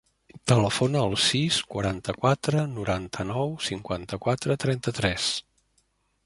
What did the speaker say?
Telefona al sis, quaranta-quatre, noranta-nou, cinquanta-quatre, trenta-tres.